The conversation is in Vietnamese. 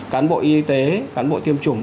cán bộ y tế cán bộ tiêm chủng